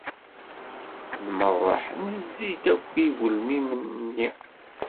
Nmerreḥ, nezzi-d akk i ugelmim-nni.